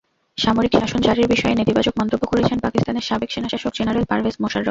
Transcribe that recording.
সামরিক শাসন জারির বিষয়ে নেতিবাচক মন্তব্য করেছেন পাকিস্তানের সাবেক সেনাশাসক জেনারেল পারভেজ মোশাররফ।